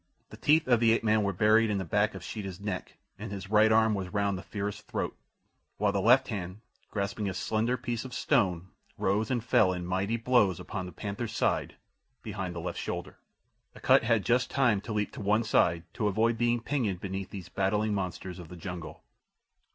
The teeth of the ape man were buried in the back of Sheeta's neck and his right arm was round the fierce throat, while the left hand, grasping a slender piece of stone, rose and fell in mighty blows upon the panther's side behind the left shoulder. Akut had just time to leap to one side to avoid being pinioned beneath these battling monsters of the jungle.